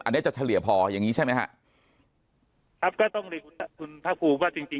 อันนี้จะเฉลี่ยพออย่างงี้ใช่ไหมฮะครับก็ต้องเรียนคุณคุณภาคภูมิว่าจริงจริง